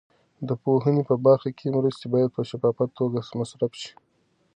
د پوهنې په برخه کې مرستې باید په شفافه توګه مصرف شي.